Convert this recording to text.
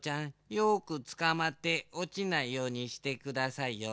よくつかまっておちないようにしてくださいよ。